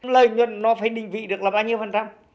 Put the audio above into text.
lợi nhuận nó phải định vị được là bao nhiêu phần trăm